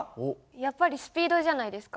やっぱりスピードじゃないですか？